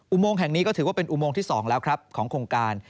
โมงแห่งนี้ก็ถือว่าเป็นอุโมงที่๒แล้วครับของโครงการ